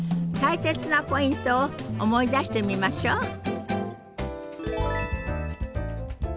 大切なポイントを思い出してみましょう。